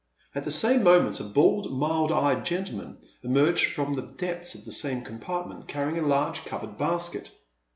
*' At the same moment a bald, mild eyed gentleman emerged from the depths of the same compart ment carrying a large covered basket.